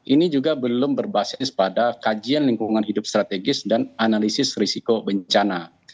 ini juga belum berbasis pada kajian lingkungan hidup strategis dan analisis risiko bencana